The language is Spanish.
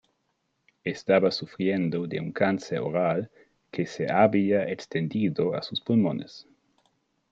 Estaba sufriendo de un cáncer oral que se había extendido a sus pulmones.